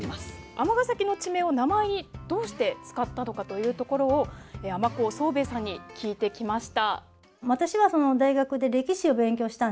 尼崎の地名を名前にどうして使ったのかというところを尼子騒兵衛さんに聞いてきました。